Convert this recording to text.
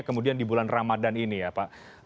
kemudian di bulan ramadan ini ya pak